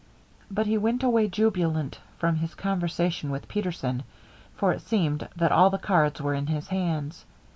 But he went away jubilant from his conversation with Peterson, for it seemed that all the cards were in his hands.